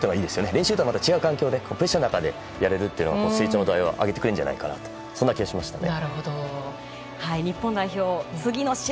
練習とはまた違う環境でプレッシャーの中でやれると成長の度合いを上げてくれるという感じがしましたね。